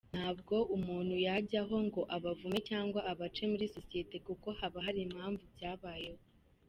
Ntabwo umuntu yajyaho ngo abavume cyangwa abace muri sosiyete kuko haba hari impamvu byabayeho”.